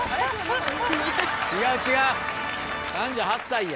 違う違う３８歳や。